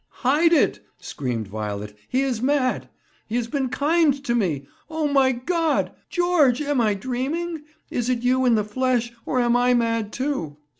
'Hide it!' screamed Violet; 'he is mad! He has been kind to me! Oh, my God! George, am I dreaming? Is it you in the flesh, or am I mad, too?'